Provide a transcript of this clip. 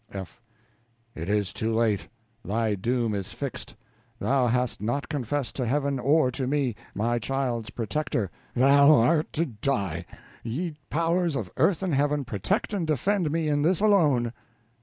F. It is too late, thy doom is fixed, thou hast not confessed to Heaven or to me, my child's protector thou art to die. Ye powers of earth and heaven, protect and defend me in this alone.